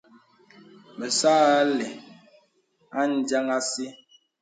Me sà àlə̄ adiāŋ àsi.